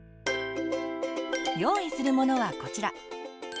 用意するものはこちら。